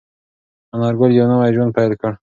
انارګل یو نوی ژوند پیل کړ.